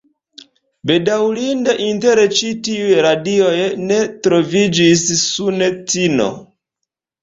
Bedaŭrinde inter ĉi tiuj radioj ne troviĝis Sunetino.